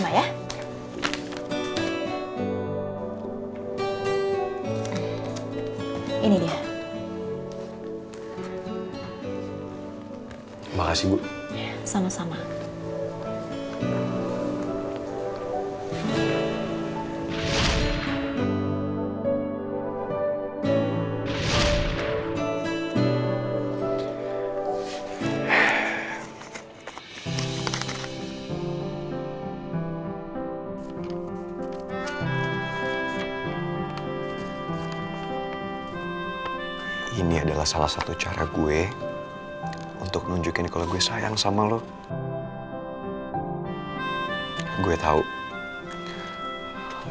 jaga bicara kamu pak